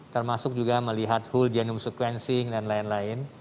termasuk juga melihat whole genome sequencing dan lain lain